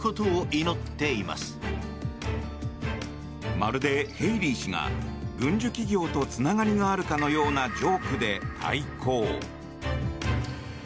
まるで、ヘイリー氏が軍需企業とつながりがあるかのようなジョークで対抗。